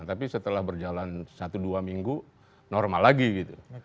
tapi setelah berjalan satu dua minggu normal lagi gitu